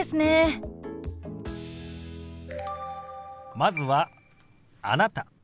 まずは「あなた」。